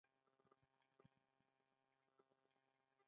د نرخ تخفیف د جذب وسیله ده.